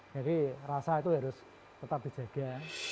jadi rasa itu harus tetap dijaga